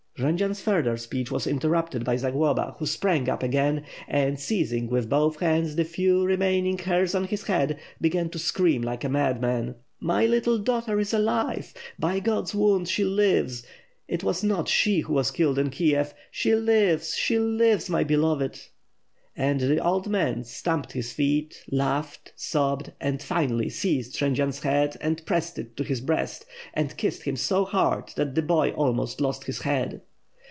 Jendzian's further speech was interrupted by Zagloba, who sprang up again; and, seizing with both hands the few re maining hairs on his head, began to scream like a madman. "My little daughter is alive! By God's wounds, she lives! It was not she who was killed in Kiev; she lives, she lives, my beloved!" And the old man, stamped his feet, laughed, sobbed and, finally, seized Jendzian's head and pressed it to his breast and kissed him so hard, that the boy almost lost his head.